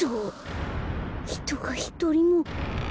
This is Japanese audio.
ひとがひとりもいない。